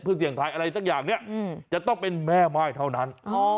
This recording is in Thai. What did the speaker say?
เพื่อเสี่ยงทายอะไรสักอย่างเนี่ยจะต้องเป็นแม่ม่ายเท่านั้น